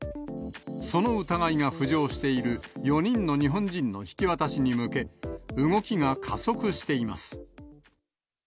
その疑いが浮上している４人の日本人の引き渡しに向け、動きが加速しています。